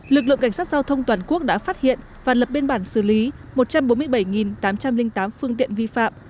lực lượng cảnh sát giao thông toàn quốc đã phát hiện và lập biên bản xử lý một trăm bốn mươi bảy tám trăm linh tám phương tiện vi phạm